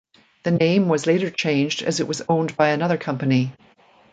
The name was later changed as it was owned by another company.